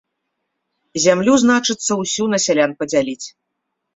Зямлю, значыцца, усю на сялян падзяліць.